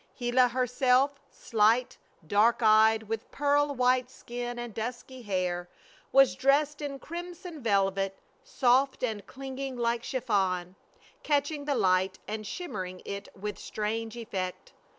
Gila herself, slight, dark eyed, with pearl white skin and dusky hair, was dressed in crimson velvet, soft and clinging like chiffon, catching the light and shimmering it with strange effect.